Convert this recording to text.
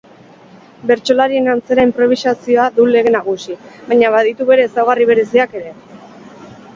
Bertsolarien antzera inprobisazioa du lege nagusi, baina baditu bere ezaugarri bereziak ere.